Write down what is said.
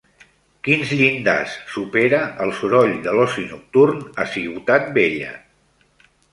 Quins llindars supera el soroll de l'oci nocturn a Ciutat Vella?